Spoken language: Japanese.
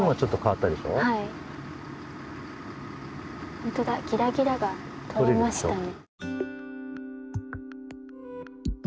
ほんとだギラギラが取れましたね。